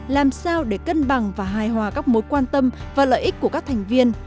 làm sao để cân bằng và hài hòa các mối quan tâm và lợi ích của các thành viên